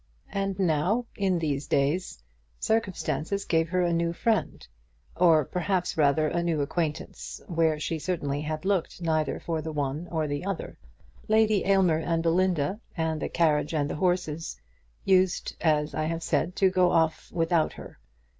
And now, in these days, circumstances gave her a new friend, or perhaps, rather, a new acquaintance, where she certainly had looked neither for the one or for the other. Lady Aylmer and Belinda and the carriage and the horses used, as I have said, to go off without her.